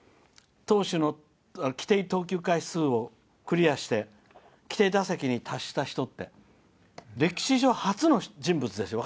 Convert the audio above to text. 投手の規定投球回数をクリアして規定打席に達した人って歴史上初の人物ですよ。